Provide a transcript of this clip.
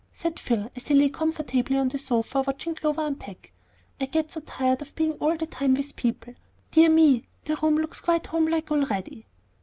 said Phil, as he lay comfortably on the sofa watching Clover unpack. "I get so tired of being all the time with people. Dear me! the room looks quite homelike already."